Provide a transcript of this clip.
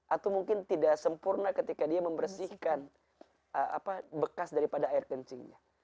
atau mungkin tidak sempurna ketika dia membersihkan bekas daripada air kencingnya